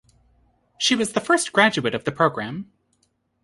She was the first graduate of the program.